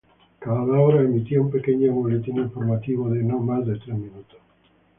Cada hora emitía un pequeño boletín informativo de no más de tres minutos.